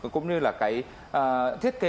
cũng như là cái thiết kế